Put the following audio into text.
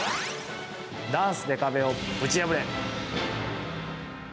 ダンスで壁をぶち破れ！